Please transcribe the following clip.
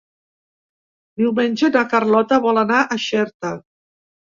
Diumenge na Carlota vol anar a Xerta.